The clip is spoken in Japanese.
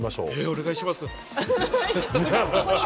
お願いします。